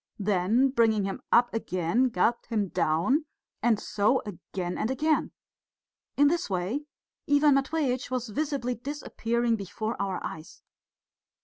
Then bringing him up again, gulped him down, and so again and again. In this way Ivan Matveitch was visibly disappearing before our eyes.